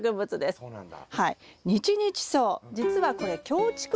ああそうなんだ！